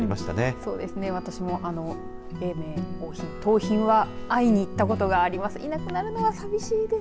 そうですね、私も永明、桜浜、桃浜は会いに行ったことがあります。